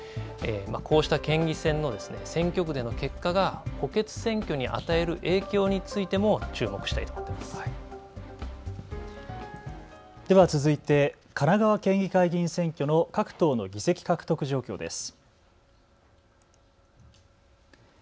こうした県議選の選挙区での結果が補欠選挙に与える影響についてもでは続いて神奈川県議会議員選挙の各党の議席獲得状況です。